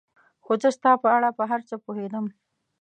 خو زه ستا په اړه په هر څه پوهېدم.